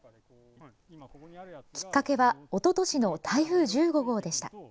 きっかけはおととしの台風１５号でした。